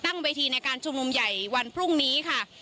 เวทีในการชุมนุมใหญ่วันพรุ่งนี้ค่ะ